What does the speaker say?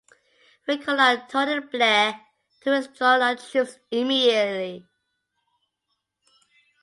We call on Tony Blair to withdraw our troops immediately.